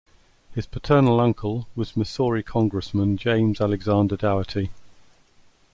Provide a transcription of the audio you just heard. Her paternal uncle was Missouri Congressman James Alexander Daugherty.